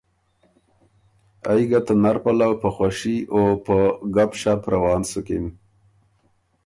ائ ګه ته نر پلؤ په خوَشي او په ګپ شپ روان سُکِن۔